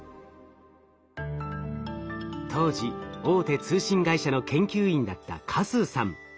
当時大手通信会社の研究員だった嘉数さん。